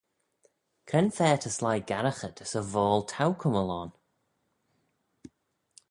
Cre'n fa ta sleih garraghey dys y voayl t'ou cummal ayn?